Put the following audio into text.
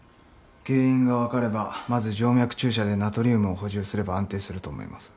原因が分かればまず静脈注射でナトリウムを補充すれば安定すると思います。